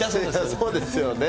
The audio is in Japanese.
そうですよね。